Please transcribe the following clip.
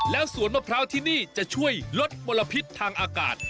แล้วสวนมะพร้าวที่นี่จะช่วยลดมลพิษทางอากาศ